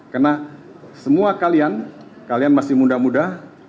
karena semua kalian kalian masih muda muda